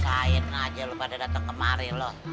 sain aja lo pada dateng kemari lo